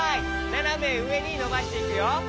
ななめうえにのばしていくよ。